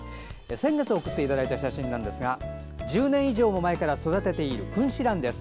先月送っていただいた写真ですが１０年以上も前から育てているクンシランです。